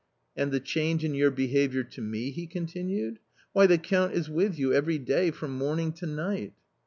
" And the change in your behaviour to me?" he continued; " why, the Count is with you every day from morning to night